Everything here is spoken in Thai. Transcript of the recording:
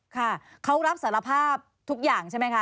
ค่ะเขารับสารภาพทุกอย่างใช่ไหมคะ